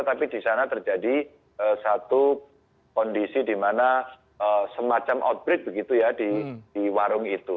tapi di sana terjadi satu kondisi di mana semacam outbreak begitu ya di warung itu